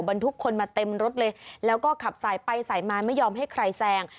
บรรทุกคนมาเต็มรถเลยแล้วก็ขับสายไปสายมาไม่ยอมให้ใครแซง